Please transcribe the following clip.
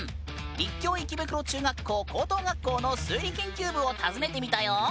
立教池袋中学校・高等学校の数理研究部を訪ねてみたよ。